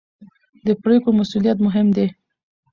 د پرېکړو مسوولیت مهم دی